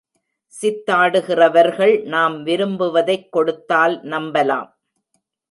சித்தாடுகிறவர்கள் நாம் விரும்புவதைக் கொடுத்தால் நம்பலாம்.